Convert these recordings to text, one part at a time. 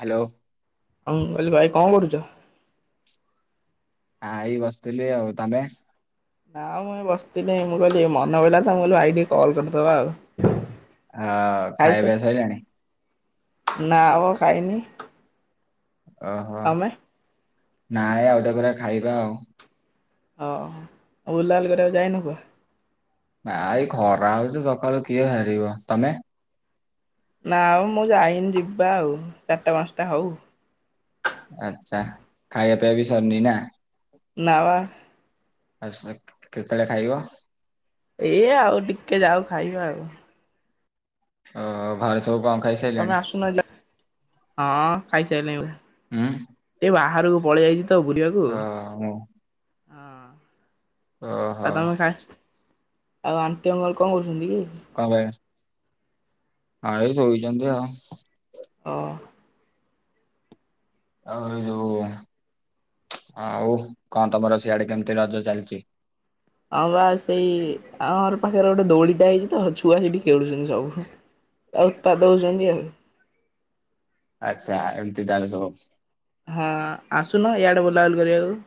Hello. ହଁ କହିଲି ଭାଇ କଣ କରୁଛ? ନାଇଁ ବସିଥିଲି ଆଉ, ତମେ? ନା ମୁଁ ଏ ବସିଥିଲି ମୁଁ କହିଲି ମନ କହିଲା ତ କହିଲ ଭାଇକି ଟିକେ କଲ୍ କରିଦବା ଆଉ। ହଁ ଖାଇସା ଖାଇବା ସଇଲାଣି? ନା ଆବ ଖାଇନି। ଓହୋ, ତମେ ନାଇଁ ଆଉଟେ ପରେ ଖାଇବା ଆଉ। ହଁ ବୁଲାବୁଲି କରିବାକୁ ଯାଇନ କୁହ? ନାଇ ଖରା ହଉଛି ସକାଳୁ କିଏ ଭାରିବ, ତମେ? ନା ଆଉ ମୁଁ ଯାଇନି ଯିବା ଆଉ ଚାରିଟା ପାଞ୍ଚଟା ହଉ। ଆଚ୍ଛା ଖାଇବା ପିଆ ବି ସରନି ନା? ନା ବା। ଆସ କେତେବେଳେ ଖାଇବ? ଏଇ ଆଉ ଟିକେ ଯାଉ ଖାଇବା ଆଉ। ଅ ଘରେ ସବୁ କଣ ଖାଇ ତମେ ଆସୁନ ଯ, ହଁ ଖାଇସାଇଲିଣୀ। ହୁଁ ଏ ବାହାରକୁ ପଳେଇ ଆଇଛି ତ ବୁୁରିବାକୁ। ଓହୋ ଆଉ ଓହୋ ତମେ ଖାଇ, ଆଉ ଆଣ୍ଟୀ ଅଙ୍କଲ କଣ କରୁଛନ୍ତି କି? କଣ ପାଇଁ? ଏଇ ଶୋଇଛନ୍ତି ଆଉ। ଓ। ଆଉ ଏଇ ଯୋଉ ଆଉ କଣ ତମର ସିଆଡେ କେମତି ରଜ ଚାଲିଛି? ହଁ ବା ସେଇ ଆମ ଘର୍ ପାଖରେ ଗୋଟେ ଦୋଳିଟା ହେଇଛି ତ ଛୁଆ ସେଇଠି ଖେଳୁଛନ୍ତି ସବୁ। ଆ ଉତ୍ପାତ ହଉଛନ୍ତି ଆଉ। ଆଚ୍ଛା, ଏମତି ତାହେଲେ ସବୁ। ହଁ, ଆସୁନ ଇଆଡେ ବୁଲାବୁଲି କରିବାକୁ।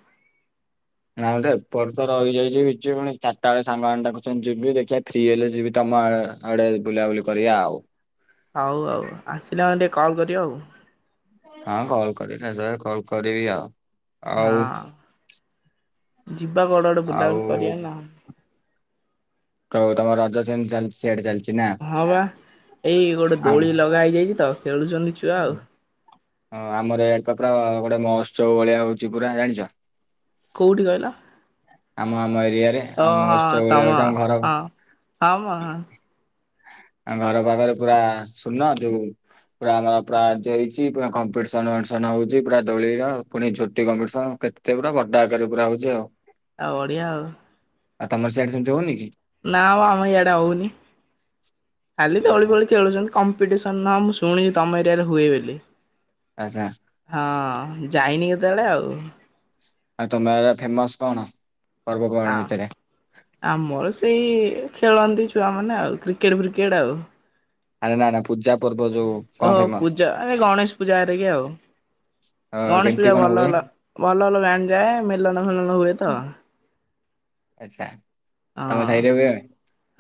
ନା ଏପଟ ତ ରହିଯାଇଛି, ଯିବ ପୁଣି ଚାରିଟା ବେଳେ, ସାଙ୍ଗମାନେ ଡାକୁଛନ୍ତି ଯିବି, ଦେଖିବା ଫ୍ରି ହେଲେ ଯିବି ତମ ଆଡେ ବୁଲାବୁଲି କରିବା ଆଉ। ହଉ ଆଉ, ଆସିଲେ ମାନେ ଟିକେ କଲ୍ କରିବ ଆଉ। ହଁ କଲ କରିବି, କଲ କରିବି ଆଉ। ଆଉ ହଁ, ଯିବା କୁଆଡ଼େ ଗୋଟେ ଆଉ ବୁଲାବୁଲି କରିବା ନା। ତ ତମ ରଜ, ସେମତି ଚାଲିଛି, ସିଆଡେ ଚାଲିଛି ନା? ହଁ ବା, ଏଇ ଗୋଟେ ଆମ ଦୋଳି ଲଗା ହେଇଯାଇଛି ତ, ଖେଳୁଛନ୍ତି ଛୁଆ ଆଉ। ହଁ, ଆମର ଏଡ ପାପଡା, ଗୋଟେ ମହୋତ୍ସବ ଭଳିଆ ହଉଛି ପୁରା ଜାଣିଛ? କୋଉଠି କହିଲ? ଆମ ଆମ ଏରିଆରେ, ଓ ଆଉ ମହୋତ୍ସବ୍ ଭଳିଆ ହଉଛି, ଆମ ଘର ଆଉ ହଁ ହଁ। ଆ ଘର ପାଖରେ ପୁରା ଶୂନ ଯୋଉ ପୁରା ଆମର ପୁରା ଏମତୀ ହେଇଛି, ପୁରା କମ୍ପିଟିସନ ଟିସନ୍ ହଉଛି, ପୁରା ଦୋଳିର, ପୁଣି ଝୋଟି କମ୍ପଟିସନ, କେ ସେ ପୁରା, ବଡ ଆକାରରେ ପୁରା ହଉଛି ଆଉ। ଆଉ ବଢିଆ ଆଉ। ଆ ତମର ସିଆଡେ ସେମିତି ହଉନି କି? ନାଁମ ଆମ ଇଆଡେ ଆଉ ହଉନି ଖାଲି ଏ ଦୋଳି ଫୋଳି ଖେଳୁଛନ୍ତି। କମ୍ପିଟେସନ ମୁଁ ଶୁଣିଛି ତମ ଏରିଆରେ ହୁଏ ବେଲି। ଆଛା। ହଁ ଯାଇନି କେତେବେଳେ ଆଉ। ଆଉ ତମେ ଏରା ଫେମସ କଣ? ପର୍ବପର୍ବାଣି ହଁ। ଭିତରେ। ଆମର ସେଇ, ଖେଳନ୍ତି ଛୁଆମାନେ, ଆଉ କ୍ରିକେଟ ଫ୍ରିକେଟ ଆଉ। ଆରେ ନା ନା ପୂଜା ପର୍ବ ଯଉ ଓହ ପୂଜ ଏ ଗଣେଶ ପୂଜାହେରିକା ଆଉ। ଅ ଗଣେଶ କେମିତି ପୂଜା କଣ ଭଲ ହୁଏ? ଭଲ ଭଲ ଭଲ ଲାଇନ ଯାଏ ମେଲନ ଫେଲନ ହୁଏ ତ। ଆଚଛା। ହଁ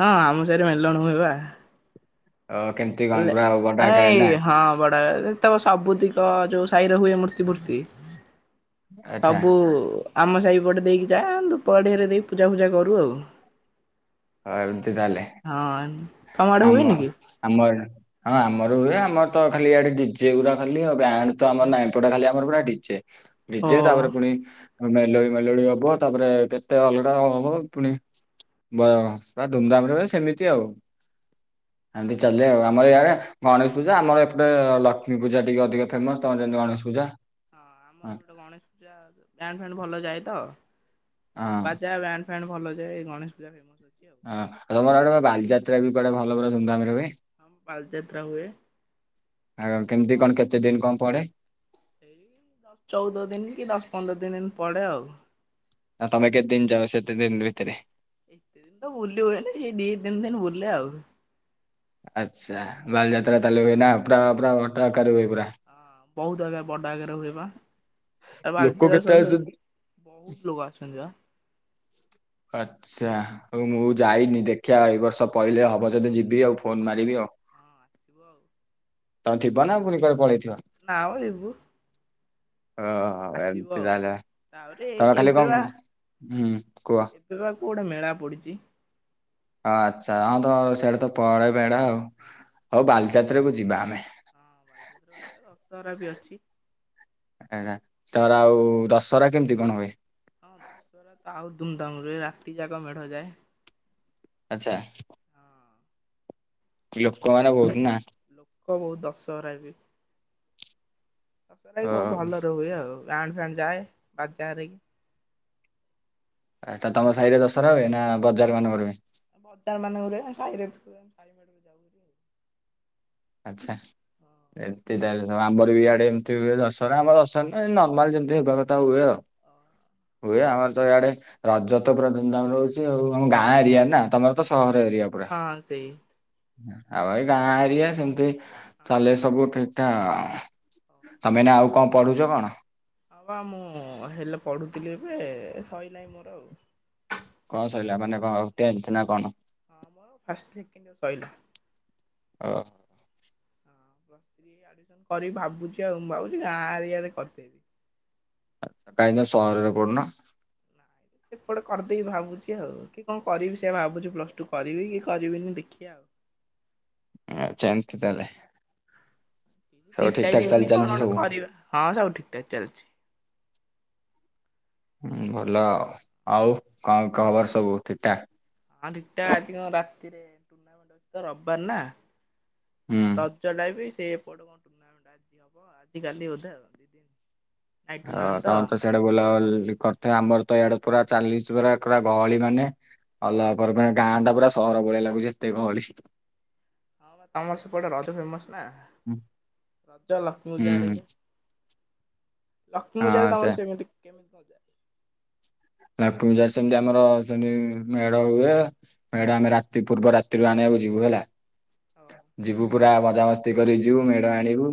ହଁ ଆମ ସାହିରେ ମେଲଣ ହୁଏବା। ଅ କେମ ଏଇ ହଁ ବଡ଼ା [inaudible] ତକ ସବୁତିକ, ଯୋଉ ସାହିରେ ହୁଏ ମୂର୍ତ୍ତି ଫୂର୍ତ୍ତି ଆଚ୍ଛା ସବୁ ଆମ ସାହିପଟେ ଦେଇକି ଯାଏ ଆମେ ଧୂପକାଠି ହେରିକା ଦେଇ ପୂଜା ଫୂଜା କରୁ ଆଉ। ଓ, ଏମିତି ତାହେଲେ ହଁ ତମଆଡେ ଆମ ହୁଏନି କି? ଆମର ଆଡ଼ ହଁ ଆମର ହୁଏ, ଆମର ତ ଖାଲି ଇଆଡେ, ଡିଜେଗୁରା ଖାଲି ଆଉ। ବ୍ୟାଣ୍ଡ ତ ଆମର ନାଇଁ ଏପଟେ ଖାଲି ଆମର ପୁରା ଡିଜେ। ଓ ଡିଜେ, ତାପରେ ପୁଣି ହଁ ମେଲୋଡି ମେଲୋଡି ହବ ତାପରେ କେତେ ଅଲଗା ହବ ପୁଣି ବୟ ପୁରା ଧୁମଧାମରେ ହୁଏ ସେମିତି ଆଉ। ଏମିତି ଚାଲେ ଆଉ। ଆମର ଇଆଡେ ଗଣେଶ ପୂଜା, ଆମର ଏପଟେ ଲକ୍ଷ୍ମୀ ପୂଜା ଟିକେ ଅଧିକ ଫେମସ, ତମ ଯେମିତି ଗଣେଶ ପୂଜା। ଆମର ହଁ ଏପଟ ଗଣେଶ ପୂଜା ବ୍ୟାଣ୍ଡ ଫ୍ୟାଣ୍ଡ ଭଲ ଯାଏ ତ, ହଁ ହଁ। ବାଜା ବ୍ୟାଣ୍ଡ ଫ୍ୟାଣ୍ଡ ଭଲ ଯାଏ, ଗଣେଶ ପୂଜା ଫେମସ ଅଛି ଆଉ। ହଁ ତମର ହିଆଡେ ପା ବାଲିଯାତ୍ରା ବି କୁଆଡେ ଭଲ, ଭଲ ହଁ ଧୁମଧାମ ରେ ହୁଏ? ଆମ ବାଲିଯାତ୍ରା ହୁଏ ଆ ବହୁତ କେମିତି ଷ୍ଟଲ୍ କଣ, ପଡେ କେତେ ଦିନ କଣ ପଡେ? ଏଇ ଚଉଦ ଦିନି କି, ଦଶ ପନ୍ଦର ଦିନ ଇନ୍ତି ପଡେ ଆଉ। ଆ ତମେ କେତେ ଦିନ ଯାଅ, ସେତେ ଦିନ ଭିତରେ? ଏତେ ଦିନ ବୁଲି ହୁଏନି ହେଇ ଦିଇ ତିିନ ଦିନ ବୁଲେ ଆଉ। ଆଚ୍ଛା, ବାଲିଯାତ୍ରା ତାଲେ ହୁଏ ନା ପୁରା ପୁରା ବଟ ଆକାରରେ ହୁଏ ପୁରା। ହଁ ବହୁତ ଆଜ୍ଞା ବଡ ଆକାରରେ ହୁଏପା, ଆ ଲୋକ ବାଲିଯାତ୍ରା କେତେ ସବୁ ସ ଆସନ୍ତି? ବହୁତ ଲୋକ ଆସୁଚନ୍ତି ବା। ଆଚ୍ଛା। ଆଉ ମୁଁ ଯାଇନି ଦେଖିଆ ଏଇ ବର୍ଷ ପହିଲେ ହବ ଯଦି ଯିବି ଆଉ ଫୋନ ହଁ ଆସ ମାରିବି ଆଉ। ହଁ ଆସିବ ଆଉ। ତମେ ଥିବ ନା ପୁଣି କୁଆଡେ ପଳେଇଥିବ? ନାଁମ ଜିବୁ। ଓ ଏମିତି ଆଉ। ତାହେଲେ ତାପରେ ତର ଖାଲି କଣ ହୁଁ କୁହ? ହେଇବା କଉ ଗୋଟେ ମେଳା ପଡିଛି? ଆଚ୍ଛା ହଁ ତମର ସିଆଡେ ତ ପଳେ ବେଡା ଆଉ ହଁ ହଉ ବାଲିଯାତ୍ରାକୁୁ ଯିବା ଆମେ। ହଁ ବାଲିଯାତ୍ରା ଦଶହରା ବି ଅଛି। ଆଜ୍ଞା ତର ଆଉ ଦଶହରା କେମିତି କଣ ହୁଏ? ହଁ ଦଶହରା ତ ଆଉ ଧୁମଧାମରେ ହୁଏ ରାତି ଯାକ ମେଢ ଯାଏ। ଆଚ୍ଛା। ଲୋକ ମାନେ ବହୁତୁନା। ହୋ ବହୁତ୍ ଦଶହରାବି। ଦଶହରାବି ଓ ବହୁତ୍ ଭଲରେ ହୁଏ ଆଉ ଗାଡ୍ ଫାଡ୍ ଯାଏ ବାଜାହରେକି ଆଚ୍ଛା ତମ ସାହିରେ ଦଶହରା ହୁଏ ନା ବଜାର ହଁ ମାନଙ୍କରେ ହୁଏ। ବଜାର ମାନଙ୍କରେ ହୁଏ ଆମ ସାଇରେବି ଆଚ୍ଛା। ଏମିତି ତାହେଲେ ସବୁ ଆମରବି ଇଆଡ଼େ ଏମିତି ହୁଏ ଦଶହରା ଆମ ଦଶ ନର୍ମାଲ ଯେମିତି ହେବା କଥା ହୁଏ ଆଉ। ହଁ ଓ ହୁଏ ହଁ ଆମରତ ଇଆଡ଼େ ରଜତ ପୁରା ଧୁମୁଧାମରେ ହଉଚି ଆଉ ଆମ ଗାଁ ଏରିଆନା ତମରତ ହଁ ସହର ଏରିଆ ପୁରା। ହଁ ସେଇ ଆଉ ଏଇ ଗାଁ ଏରିଆ ସେମିତି ଚାଲେ ହଁ। ସବୁ ଠିକ୍ ଟା ତମେ ଏଇନା ଆଉ କଣ ପଢୁଚ କଣ? ହଁବା ମୁଁ ହେଲେ ପଢୁଥିଲି ଏବେ ଏସାଇଲାଏଇ ମୋର ଆଉ। କଣ ସଇଲା ମାନେ କଣ ଟେନ୍ଥେ ନାକଣ? ହଁ ମୋର ଫାଷ୍ଟିୟର ଏବେ ସଇଲା। ହଁ। ରି ଆଡ଼ିମିସନ୍ କରିମି ଭାବୁଚି ଆଉ ମୁଁ ଭାବୁଚି ଗାଁ ଏରିଆରେ କରିଦେବି। ଆଛା ଟାଇନ ସାହରରେ କରୁନ। ସେପଟେ କରିଦେଇକି ଭାବୁଚି ଆଉ କିକଣ କରିବି ସେଆ ଭାବୁଚି ପ୍ଲସ୍ ଟୁ କରିବିକି କରିବିନି ଦେଖିଆ ଆଉ। ଆଚ୍ଛା ଏମିତି ତାହେଲେ। ସବୁ ଠିକ ଡିସାଇଟ୍ ଠାକ ତାହେଲେ ହେଇନି କଣ ଚାଲିଛି ଗୋଟେ ସବୁ। କରିବା ହଁ ସବୁ ଠିକ୍ ଠାକ୍ ଚାଲିଚି। ହୁଁ ଭଲ ଆଉ ଆଉ କଣ ଖବର ସବୁ ଠିକଠା। ହଁ ରିଟା ଆଜି କଣ ରାତିରେ [unintelligible] ଆଜିତ ରବିବାରେନା ହୁଁ। ର ଚଳାଇବି ସେ ଏପଟେ କଣ [unintelligible] ଆଜି ହବ ଆଜି କାଲି ବୋଧେ। ନାଇଟ୍ ହଁ ଟୁର୍ଣ୍ଣାମେଣ୍ଟ ତ ତମରତ ସ ସିଆଡ଼େ ବୁଲାବୁଲି କରିଥାଏ ଆମରତ ଏଆଡ଼େ ପୁରା ଚାଲିଶି ପୁର କରା ଗହଳି ମାନେ ଅଲଗା କରି ପାଇଁ ଗାଁଟା ପୁରା ହଁ ସହର ଭଳିଆ ଲାଗୁଚି ଏତେ ଗହଳି। ହଁ ବା ତମର ସେପଟେ ରଜ ଫେମସ୍ ନା ହୁଁ ରଜ ଲକ୍ଷ୍ମୀ ପୂଜା ହୁଁ ହାରିକି। ଲକ୍ଷ୍ମୀ ପୂଜାରେ ହଁ ସେ ତମର ସେମିତି କେମିତି କଣ ଯାଏ। ଲକ୍ଷ୍ମୀପୂଜା ସେମିତି ଆମର ସେମିତି ମେଡ଼ ହୁଏ ମେଡ଼ ଆମେ ରାତି ପୂର୍ବ ରାତିରୁ ଆଣିବାକୁ ଯିବୁ ହେଲା। ଓହୋ ଯିବୁ ପୁରା ମଜାମସ୍ତି କରି ଯିବୁ ମେଢ଼ ଆଣିବୁ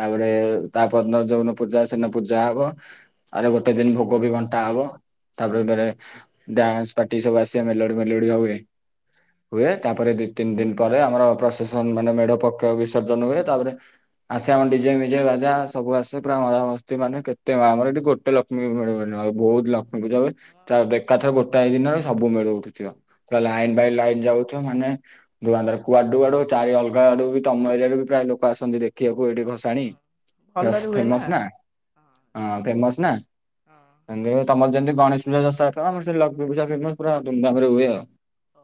ତାପରେ ତାପରଦିନ ଯୋଉନ ପୂଜା ସେନ ପୂଜା ହବ ଆରେ ଗୋଟେ ଦିନ ଭୋଗବି ଘଣ୍ଟା ହବ। ତାପରେ ଯେତେଳେ ଡ୍ୟାନ୍ସ ପାର୍ଟି ସବୁ ଆସିବେ ମେଲୋଡ଼ି ମେଲୋଡ଼ି ହୁଏ। ହୁଏ ତାପରେ ଦି ତିନି ଦିନି ପରେ ଆମର ପ୍ରଶାସନ ମାନେ ମେଢ଼ ପକ୍ଷ ବିସର୍ଜନ ହୁଏ ତାପରେ ଆସେ ଆମେ ଡିଜେ ମିଜେ ବାଜା ସବୁ ଆସେ ପୁରା ମଜାମସ୍ତି ମାନେ କେତେ ଆମର ଏଠି ଗୋଟେ ଲ ଲକ୍ଷ୍ମୀ ମିଳିବନି ଆଉ ବହୁତ୍ ଲକ୍ଷ୍ମୀପୂଜା ହୁଏ ହଁ। ତାର ଏକାଥରେ ଗୋ ଗୋଟାଏ ଦିନରେ ସବୁ ମେଢ଼ ଉଠୁଥିବ ପୁରା ହଁ। ଲାଇନ୍ ବାଇ ଲାଇନ୍ ଯାଉଥିବ ମାନେ ଦୁଆନ୍ଧାର କୁଆଡୁ କୁଆଡୁ ଚାରି ଅଲଗା ଆଡ଼ୁବି ତମ ଏରିଆରେବି ପ୍ରାୟ ଲୋକ ଆସନ୍ତି ଦେଖି ଖିବାକୁ ଏଇଠି ଭସାଣି ହଁ। ଫେସ୍ ଭଲରେ ହୁଏ ଫେମସ୍ ନା ହଁ ଫେମସ୍ ନା। ଏମିତି ତମର ଯେମିତି ଗଣେଶ ପୂଜା ଦଶରା ଖେଳ ଆମର ସେମିତି ଲକ୍ଷ୍ମୀ ପୁଜା ଫେମସ୍ ପୁରା ଧୁମଧାମରେ ହୁଏ ଆଉ।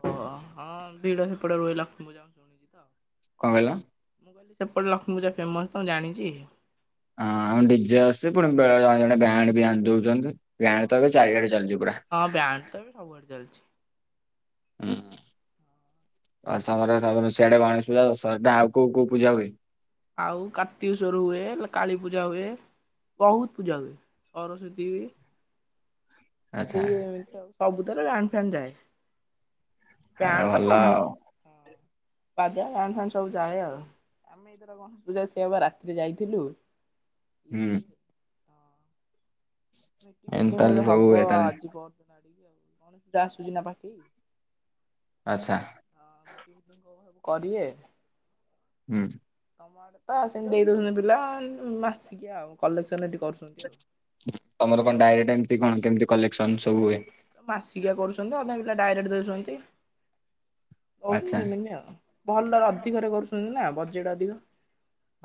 ହଁ ହଁ ଭିଡ଼ ସେପଟେ ରୁହେ ଲଷ୍ମୀ ପୂଜା ବେଳେ ମୁଁ ଶୁଣିଚିତ। କଣ କହିଲ? ମୁଁ କହିଲି ସେପଟେ ଲକ୍ଷ୍ମୀ ପୂଜା ଫେମସ୍ ତ ମୁଁ ଜାଣିଚି। ହଁ ଆମ ଡିଜେ ଆସେ ପୁଣି ବେଳେ ଜଣେ ବ୍ୟାଣ୍ଡେବି ଆଣି ଦଉଛନ୍ତି ବ୍ୟାଣ୍ଡତ ଏବେ ଚାରିଆଡ଼େ ଚାଲିଚି ପୁରା। ହଁ ବ୍ୟାଣ୍ଡ୍ ତ ଏବେ ସବୁଆଡେ ଚାଲିଚି। ହୁଁ ବର୍ଷାପରା ତାପରେ ସିଆଡେ ଗଣେଶ ପୂଜା ସଟା ଆଉ କୋଉ କୋଉ ପୂଜା ହୁଏ? ଆଉ କାର୍ତ୍ତିକଶ୍ଵର ହୁଏ କାଳୀପୂଜା ହୁଏ। ବହୁତ ପୂଜା ହୁଏ ସରସ୍ଵତୀ ହୁଏ। ଆଚ୍ଛା ହୁଏ ସ ସବୁଥିରେ ବ୍ୟାଣ୍ଡ୍ ଫ୍ୟାଣ୍ଡ୍ ଯାଏ। ଆଉ ବ୍ୟାଣ୍ଡ୍ ତ ଭଲ କମ ଆଉ ବାଜା ବ୍ୟାଣ୍ଡ୍ ଫ୍ୟାଣ୍ଡ ସବୁ ଯାଏ ଆଉ। ଆମେ ଏଇଥର ଗଣେଶ ପୂଜାରେ ସେଇଆ ବା ରାତିରେ ଯାଇଥିଲୁ। ହୁଁ ମିଟିଙ୍ଗ୍ ଏମିତି ଫିଟିଙ୍ଗ୍ ତାହେଲେ ବୋଧେ ସବୁ ହବ ହୁଏ ତାହେଲେ ଆଜି ପହରଦିନ ଆଡିକି ଆଉ ଗଣେଶ ପୂଜା ଆସୁଚି ନା ପାଖେଇ। ଆଚ୍ଛା ହଁ ମିଟିଙ୍ଗ୍ ଫିଟିଙ୍ଗ୍ କଣ ସବୁ କରିବେ। ହୁଁ ତମ ଆଡେ ତ ସେମିତି ଦେଇ ଦଉଛନ୍ତି ପିଲା ମାସିକିଆ ଆଉ କଲେକ୍ସନ ଏଠି କରୁ ତମର କଣ ଡାଇରେକ୍ଟ ଏମତି କଣ କେମିତି କଲେକ୍ସନ ସବୁ ହୁଏ? ମାସିକିଆ କରୁଛନ୍ତି ଅଧା ପିଲା ଡାଇରେକ୍ଟ ଦଉଚନ୍ତି ହଉଛି ଆଚ୍ଛା ସିମିତି ଆଉ। ଭଲ ରଦିକରେ କରୁଛନ୍ତି ନା ବଜେଟ ଅଧିକ।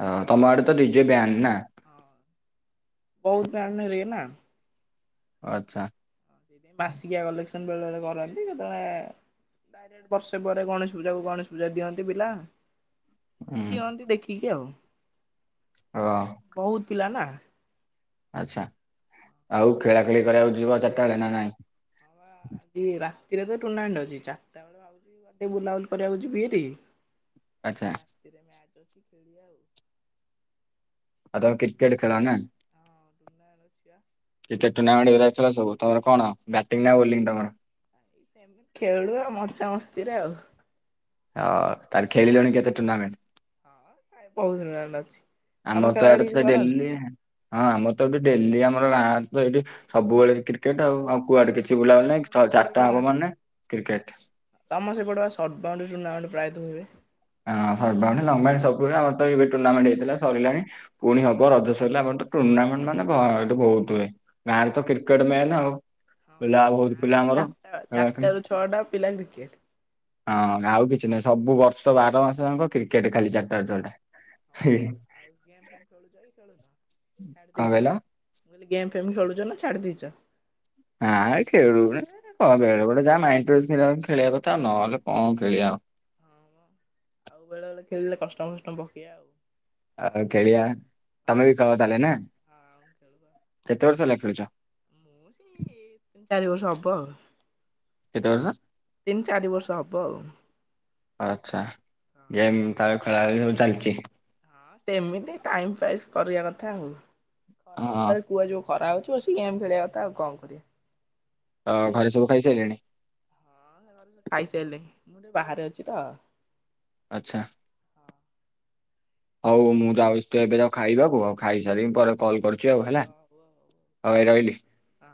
ହଁ ତମ ଆଡେ ତ ଡିଜେ ବ୍ୟାନ୍ ନା? ବୋହୁତ ପ୍ୟାନ ଏରିଆ ନା। ଆଚ୍ଛା ବାର୍ଷିକିଆ କଲେକ୍ସନ ବେଳେ ବେଳେ କରନ୍ତି କେତେବେଳେ ଡାଇରେକ୍ଟ ବର୍ଷେ ପରେ ଗଣେଶ ପୂଜାକୁ ଗଣେଶ ପୂଜା ଦିଅନ୍ତି ପିଲା। ହୁଁ ଦିଅନ୍ତି ଦେଖିକି ଆଉ। ଓ ବୋହୁତ ପିଲା ନା। ଆଚ୍ଛା ଆଉ ଖେଳାଖେଳି କରିବାକୁ ଯିବ ଚାରିଟା ବେଳେ ନା ନାଇଁ? ହଁ ବା ଆଜି ରାତିରେ ତ ଟୁର୍ଣ୍ଣାମେଣ୍ଟ ଅଛି ଚାରିଟା ବେଳେ ଭାବୁଚି କୁଆଡ଼େ ଟିକେ ବୁଲାବୁଲି କରିବାକୁ ଯିବି ହାରି। ଆଚ୍ଛା ଦିଇଟା ମ୍ୟାଚ୍ ଅଛି ଖେଳିବା ଆଉ। ଆଉ ତମେ କ୍ରିକେଟ୍ ଖେଳ ନା? ହଁ ଟୁର୍ନାମେଣ୍ଟ ଅଛି ଆଉ। କ୍ରିକେଟ ଟୁର୍ଣ୍ଣାମେଣ୍ଟରେ ବିରାଚଳା ସବୁ ତମର କଣ? ବ୍ୟାଟିଂ ନା ବୋଲିଂ ତମର। ବା ଏଇ ସେମିତି ଖେଳୁ ଆ ମଜାମସ୍ତିରେ ଆଉ। ଅ ତାହାଲେ ଖେଳିଲଣି କେତେ ଟୁର୍ଣ୍ଣାମେଣ୍ଟ୍? ଆ ବୋହୁତ ଟୁର୍ନାମେଣ୍ଟ ଅଛି। ତମେ ଆମର ଖେଳା ତ ଖେଳି ଇଆଡେ କିଛି ସୁଦା କରନି? ଡେଲି। ହଁ ଆମର ତ ଏଠି ଡେଲି ଆମର ଗାଁରେ ତ ଏଇଠି ସବୁବେଳେ କ୍ରିକେଟ ଆଉ। ଆଉ କୁଆଡେ ହଁ କିଛି ବୁଲାବୁଲି ତମ ନାହିଁ। ତ ସେପଟେ ବା ଚାରଟା ହବ ମାନେ କ୍ରିକେଟ। ତମ ସେପଟେ ସର୍ଟ ବାଉଣ୍ଡ୍ରି ଟୁର୍ଣ୍ଣାମେଣ୍ଟ ପ୍ରାୟତଃ ହୁଏ। ହଁ ହର୍ଟ ବାଉଣ୍ଡ୍ରି ଲଙ୍ଗ୍ ବାଉଣ୍ଡ୍ରି ସବୁଉରା ଆମର ତ ଏବେ ଟୁର୍ଣ୍ଣେଣ୍ଟହେଇଥିଲା ସରିଲାଣି। ପୁଣି ହବ ରଜ ସରିଲା ପରେ ତ ଟୁର୍ଣ୍ଣାମେଣ୍ଟ ମାନେ ଭ ଏଠି ବହୁତ ହୁଏ। ଗାଁରେ ତ କ୍ରିକେଟ ମେନ୍ ଆଉ। ହଁ ବା ପିଲା ବହୁତ ଗାଁରେ ପିଲା ଆମର ଚାରିଟା ଖେଳା ଖେଳି ଚାରିଟାରୁ ଛଅଟା ପିଲା କ୍ରିକେଟ। ହଁ ଆଉ କିଛି ନାହିଁ ସବୁ ବର୍ଷ ର୍ଷ ବାର ମାସ ଯାଙ୍କ କ୍ରିକେଟ ଖାଲି ହଁ ଚାରିଟ ଛଟା। ହଁ ବା ହି ହି ଆଉ ଗେମ୍ ଫେମ୍ ଖେଳୁଚ କି ଖେଳୁନ ଛାଡି କଣ ଦେଇଚ? କହିଲ ମୁଁ କହିଲି ଗେମ୍ ଫେମ୍ ଖେଳୁଚ ନା ଚଡ଼ିଦେଇଚ। ନାଇଁ ଖେଳୁନି କଁ ବେଳେ ବେଳେ ଯାହା ମାଇଣ୍ଡ ଫ୍ରେସ୍ ଖେଳିବା ପାଇଁ କଥା ଆଉ ନହେଲେ କଣ ଖେଳିବା ଆଉ। ହଁ ବା ଆଉ ବେଳେ ବେଳେ ଖେଳିଲେ କଷ୍ଟମ ଫଷ୍ଟମ ପକେଇବା ଆଉ। ଆଉ ଖେଳିବା ତମେ ହଁ ବି ଖେଳ ତାହେଲେ ନା ଆଉ ଖେଳୁ ବା କେତେ ବର୍ଷ ହେଲା ଖେଳୁଚ। ମୁଁ ସେଇ ତିନି ଚାରି ବର୍ଷ ହବ ଆଉ। କେତେ ବର୍ଷ ତିନି ଚାରି ବର୍ଷ ହବ ଆଉ। ଆଚ୍ଛା ଗେମ୍ ତା [unintelligible] ସବୁ ଚାଲିଚି। ହଁ ସେମିତି ଟାଇମ ପାସ୍ କରିବା କଥା ଆଉ ଖରାବେଳ ହଁ ଟାର କୁଆ ଯେଉଁ ଖରା ହୋଉଚି ବସିିକି ଗେମ୍ ଖେଳିବା କଥା ଆଉ କଣ କରିବେ। ଅଁ ଘରେ ସବୁ ଖାଇସାରିଲେଣି। ଘରେ ସବୁ ଖାଇସାଇ [unintelligible] ମୁଁ ଟିକେ ବାହାରେ ଅଛି ତ। ଆଚ୍ଛା। ହଁ ହଉ ମୁଁ ଯାଉଛି ତ ଏବେ [unintelligible] ଖାଇବାକୁ ଆଉ ଖାଇସାରିକି ମୁଁ ପରେ କଲ୍ କରୁଛି ଆଉ ହେଲା। [unintelligible] ରହିଲି। ହଁ।